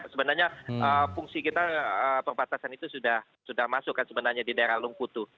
sebenarnya fungsi kita perbatasan itu sudah masuk kan sebenarnya di daerah lumputu